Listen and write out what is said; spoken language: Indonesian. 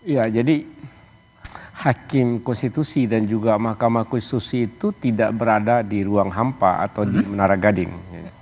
ya jadi hakim konstitusi dan juga mahkamah konstitusi itu tidak berada di ruang hampa atau di menara gading